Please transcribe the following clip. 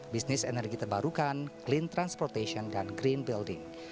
bisnis energi terbarukan clean transportation dan green building